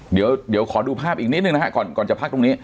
เดี๋ยวขอดูภาพอีกนิดนึงนะฮะก่อนจะพักตรงนี้